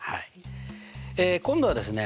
え今度はですね